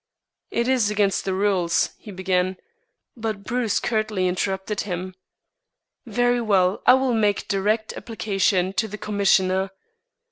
"It is against the rules," he began; but Bruce curtly interrupted him. "Very well, I will make direct application to the Commissioner."